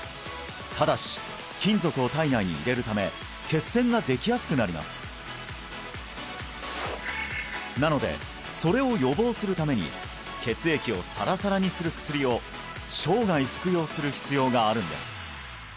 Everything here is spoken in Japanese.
ただし金属を体内に入れるため血栓ができやすくなりますなのでそれを予防するために血液をサラサラにする薬を生涯服用する必要があるんです